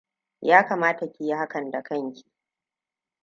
Ya kamata ki yi hakan da kanki.